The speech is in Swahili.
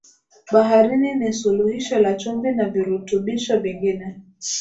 baharini ni suluhisho la chumvi na virutubisho vingine